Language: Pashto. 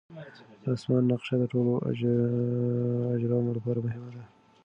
د اسمان نقشه د ټولو اجرامو لپاره مهمه ده.